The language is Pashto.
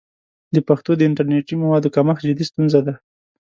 د پښتو د انټرنیټي موادو کمښت جدي ستونزه ده.